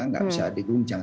tidak bisa diguncang